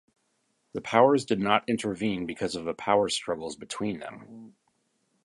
The Powers did not intervene because of the power struggles between them.